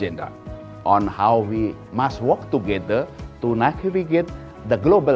tentang cara kita harus bekerjasama untuk menyeimbangkan ekonomi global